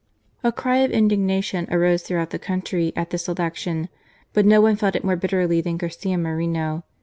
A cry of indignation arose throughout the country at this election, but no one felt it more bitterly than Garcia Moreno.